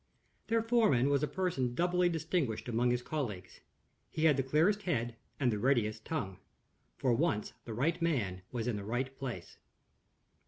Their foreman was a person doubly distinguished among his colleagues. He had the clearest head, and the readiest tongue. For once the right man was in the right place.